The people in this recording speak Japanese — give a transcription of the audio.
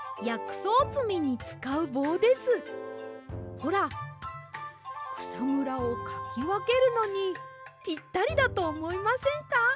ほらくさむらをかきわけるのにぴったりだとおもいませんか？